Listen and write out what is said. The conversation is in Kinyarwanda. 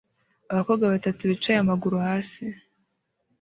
Abakobwa batatu bicaye amaguru hasi